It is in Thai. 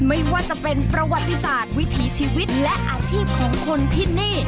ไม่ว่าจะเป็นประวัติศาสตร์วิถีชีวิตและอาชีพของคนที่นี่